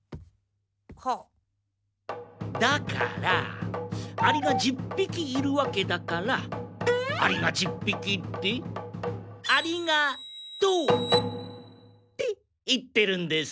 だからアリが十匹いるわけだからアリが十匹でありがとう！って言ってるんです。